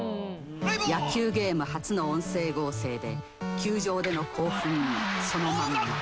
「野球ゲーム初の音声合成で球場での興奮そのままに」